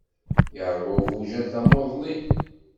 Iṛwa ubujad tamuḍli.